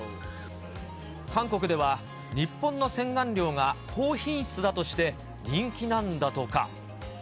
韓国では、日本の洗顔料が高品質だとして人気なんだとか。